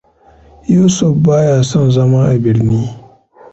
Yusuf baya son zama a birni.